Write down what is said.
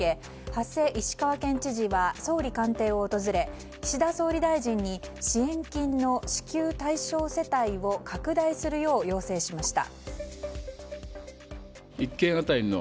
馳石川県知事は総理官邸を訪れ岸田総理大臣に支援金の支給対象世帯を拡大するよう要請しました。